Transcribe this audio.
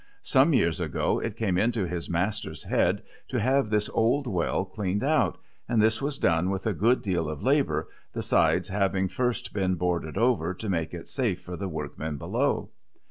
Some years ago it came into his master's head to have this old well cleaned out, and this was done with a good deal of labour, the sides having first been boarded over to make it safe for the workmen below.